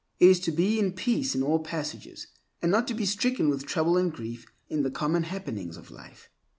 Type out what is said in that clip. It is to be in peace in all passages, and not to be stricken with trouble and grief in the common happenings of life.